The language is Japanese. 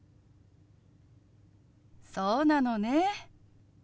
そうなのね。